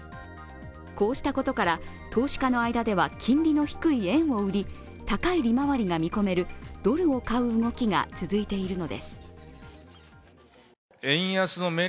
こうしたことから、投資家の間では金利の低い円を売り、高い利回りが見込めるドルを買う動きが続いているのです。